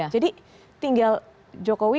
jadi tinggal jokowi